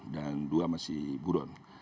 dan dua masih buron